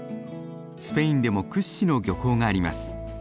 スペインでも屈指の漁港があります。